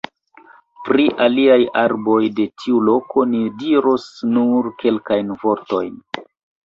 Pri aliaj arboj de tiu loko ni diros nur kelkajn vortojn.